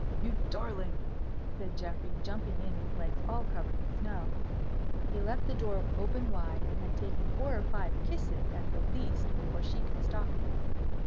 "You darling!" said Geoffrey, jumping in with legs all covered with snow. He left the door open wide, and had taken four or five kisses at the least before she could stop him.